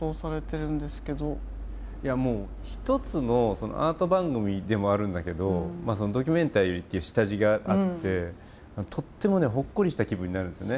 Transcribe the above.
いやもう一つのアート番組でもあるんだけどドキュメンタリーっていう下地があってとってもねほっこりした気分になるんですよね。